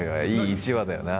１話だよな